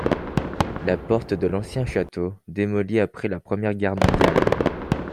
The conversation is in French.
La porte de l'ancien château, démoli après la Première Guerre mondiale.